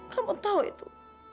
kamu tau itu